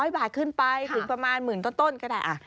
๐บาทขึ้นไปถึงประมาณหมื่นต้นก็ได้